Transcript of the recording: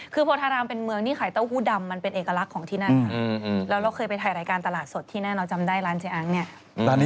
คือโพธารามเป็นเมืองที่ขายเต้าหู้ดำมันเป็นเอกลักษณ์ของที่นั่น